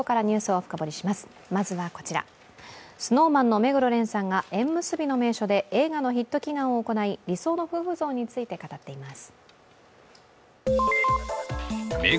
まずはこちら、ＳｎｏｗＭａｎの目黒蓮さんが縁結びの名所で映画のヒット祈願を行い、理想の夫婦像について語っています。